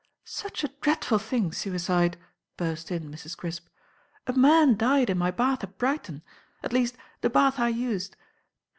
"Such a dreadful thing, suicide," burst in Mrs. Crisp. "A man died in my bath at Brighton. At least, the bath I used.